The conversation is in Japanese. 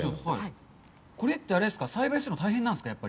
これってあれですか、栽培するのって大変なんですか？